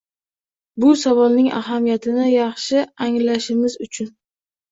Bu savolning ahamiyatini yaxshi anglashimiz uchun